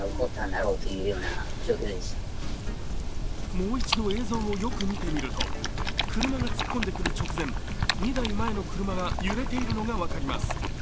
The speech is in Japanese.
もう一度、映像をよく見てみると車が突っ込んでくる直前、２台前の車が揺れているのが分かります。